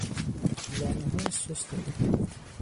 زانوهای سست او